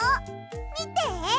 みて！